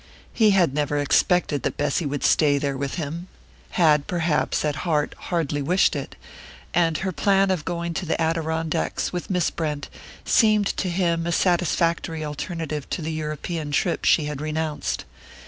He had never expected that Bessy would stay there with him had perhaps, at heart, hardly wished it and her plan of going to the Adirondacks with Miss Brent seemed to him a satisfactory alternative to the European trip she had renounced.